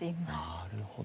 なるほど。